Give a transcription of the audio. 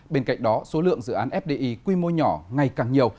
bên cạnh đó số lượng dự án fdi quy mô nhỏ ngày càng nhiều